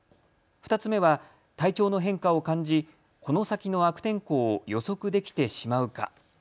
２つ目は体調の変化を感じこの先の悪天候を予測できてしまうか。